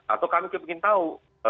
atau kami ingin tahu